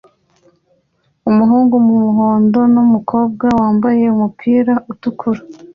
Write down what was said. Umuhungu numuhondo numukobwa wambaye umupira utukura